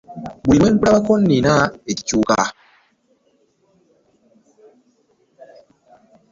Buli lwe nkulabako nnina ekikyuka.